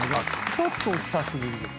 ちょっと久しぶりです。